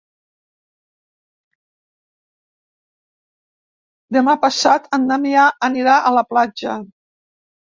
Demà passat en Damià anirà a la platja.